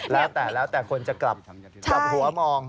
แล้วแต่คนจะกลับหัวมอง